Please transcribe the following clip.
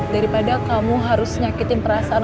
daripada kamu harus nyakitin perasaan